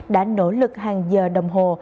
đã nỗ lực hàng giờ đồng hồ